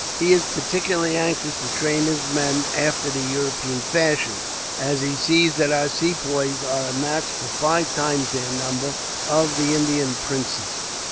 "He is particularly anxious to train his men after the European fashion, as he sees that our Sepoys are a match for five times their number of the untrained troops of the Indian princes.